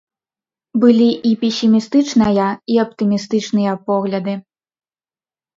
Былі і песімістычная, і аптымістычныя погляды.